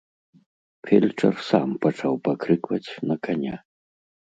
Фельчар сам пачаў пакрыкваць на каня.